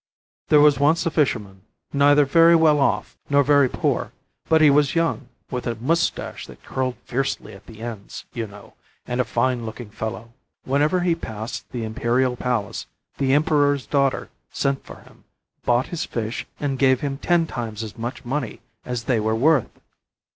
There was once a fisherman, neither very well off nor very poor, but he was young, with a mustache that curled fiercely at the ends, you know, and a fine looking fellow. Whenever he passed the imperial palace, the emperor's daughter sent for him, bought his fish, and gave him ten times as much money as they were worth.